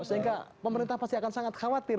sehingga pemerintah pasti akan sangat khawatir